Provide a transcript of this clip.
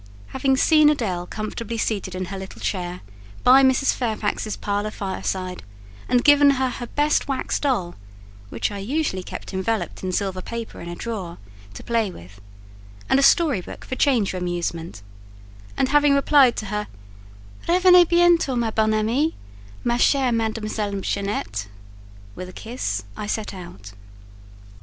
Having seen Adèle comfortably seated in her little chair by Mrs. Fairfax's parlour fireside, and given her her best wax doll (which I usually kept enveloped in silver paper in a drawer) to play with, and a story book for change of amusement; and having replied to her "Revenez bientôt, ma bonne amie, ma chère Mdlle. Jeannette," with a kiss I set out.